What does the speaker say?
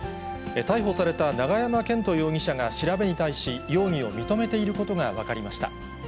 逮捕された永山絢斗容疑者が調べに対し、容疑を認めていることが分かりました。